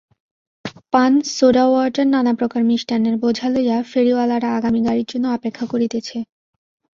পান সোডাওয়াটার নানাপ্রকার মিষ্টান্নের বোঝা লইয়া ফেরিওয়ালারা আগামী গাড়ির জন্য অপেক্ষা করিতেছে।